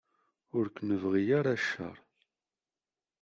Ur k-nebɣi ara cceṛ.